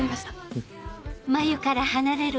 うん。